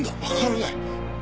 わからない。